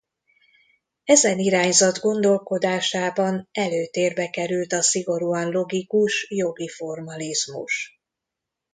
Ezen irányzat gondolkodásában előtérbe került a szigorúan logikus jogi formalizmus.